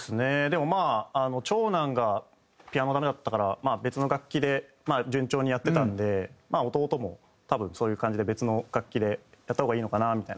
でもまあ長男がピアノダメだったから別の楽器で順調にやってたんでまあ弟も多分そういう感じで別の楽器でやった方がいいのかなみたいな多分感じで。